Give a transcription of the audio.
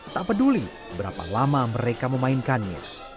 tak peduli berapa lama mereka memainkannya